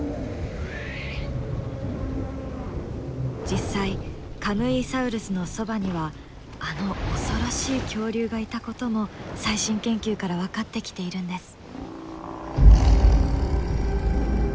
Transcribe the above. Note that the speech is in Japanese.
実際カムイサウルスのそばにはあの恐ろしい恐竜がいたことも最新研究から分かってきているんです。